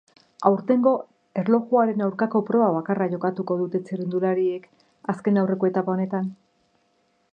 Aurtengo erlojuaren aurkako proba bakarra jokatuko dute txirrindulariek azken aurreko etapa honetan.